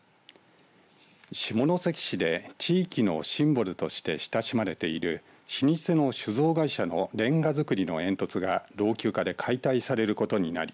下関市で地域のシンボルとして親しまれている老舗の酒造会社のれんが造りの煙突が老朽化で解体されることになり